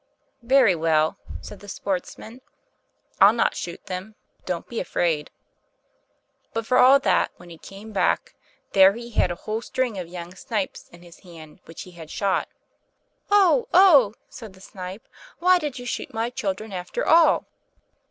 "Very well," said the Sportsman, "I'll not shoot them; don't be afraid." But for all that, when he came back, there he had a whole string of young snipes in his hand which he had shot. "Oh, oh!" said the Snipe, "why did you shoot my children after all?"